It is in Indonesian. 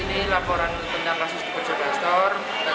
ini laporan tentang kasus di persebaya store